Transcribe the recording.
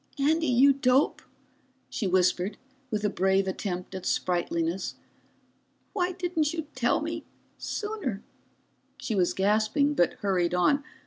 "Andy, you dope," she whispered with a brave attempt at sprightliness. "Why didn't you tell me sooner?" She was gasping, but hurried on.